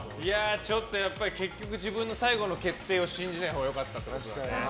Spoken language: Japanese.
ちょっとやっぱり結局、自分の最後の決定を信じないほうがよかったんですよね。